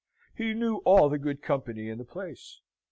He knew all the good company in the place.